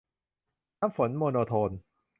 น้ำฝน โมโนโทน